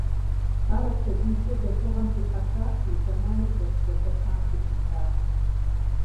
Ар апхуэдизкӏэ лэжьыгъэм дихьэхати, зэманыр зэрыблэлъэтам гу лъитакъым.